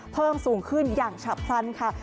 เพิ่มสูงขึ้นอย่างฉับพลันค่ะ